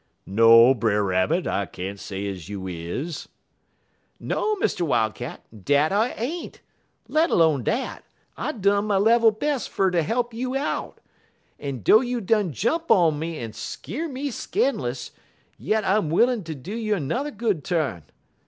"'No, Brer Rabbit, I can't say ez you is.' "'No, Mr. Wildcat, dat I ain't. Let 'lone dat, I done my level bes' fer ter he'p you out. En dough you done jump on me en skeer me scan'lous, yit I'm willin' ter do you 'n'er good tu'n.